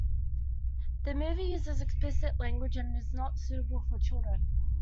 The movie uses explicit language and is not suitable for children.